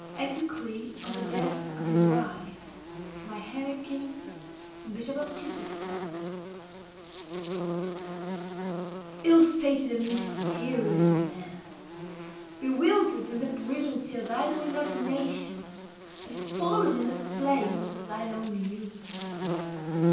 (Exequy on the death of his wife, by Henry King, Bishop of Chichester.) Ill fated and mysterious man!—bewildered in the brilliancy of thine own imagination, and fallen in the flames of thine own youth!